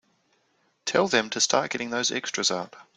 Tell them to start getting those extras out.